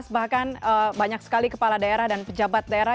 bahkan banyak sekali kepala daerah dan pejabat daerah